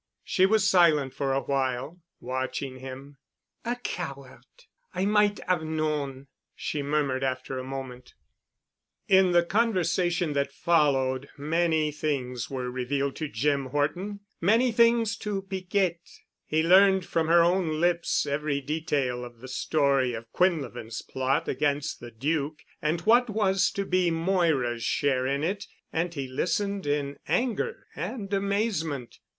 She was silent for a while, watching him. "A coward! I might 'ave known," she murmured after a moment. In the conversation that followed many things were revealed to Jim Horton, many things to Piquette. He learned from her own lips every detail of the story of Quinlevin's plot against the Duc and what was to be Moira's share in it, and he listened in anger and amazement.